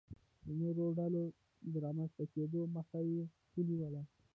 د نورو ډلو د رامنځته کېدو مخه یې ونیوله.